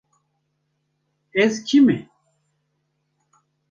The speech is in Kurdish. Ez kî me?